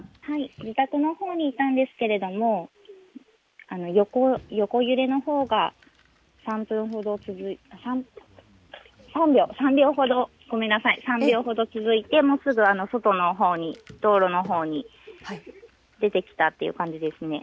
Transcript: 自宅のほうにいたんですけれども、横揺れのほうが３秒ほど続いてすぐ外のほうに、道路のほうに出てきたという感じです。